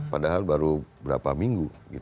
padahal baru berapa minggu